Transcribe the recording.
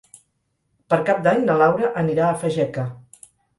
Per Cap d'Any na Laura anirà a Fageca.